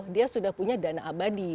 dia sudah punya dana abadi